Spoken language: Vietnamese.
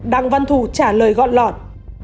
đặng văn thủ trả lời gọn lọt